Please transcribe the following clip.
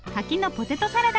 ポテトサラダ。